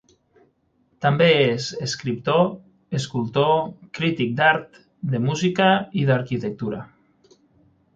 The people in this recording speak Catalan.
També és escriptor, escultor, crític d'art, de música i d'arquitectura.